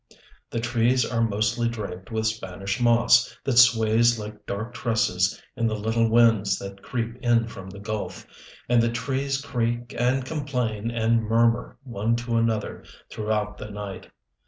The trees are mostly draped with Spanish moss that sways like dark tresses in the little winds that creep in from the gulf, and the trees creak and complain and murmur one to another throughout the night.